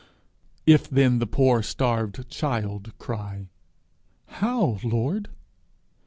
If then the poor starved child cry 'How, Lord?'